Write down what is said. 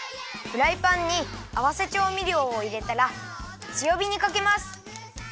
フライパンにあわせちょうみりょうをいれたらつよびにかけます。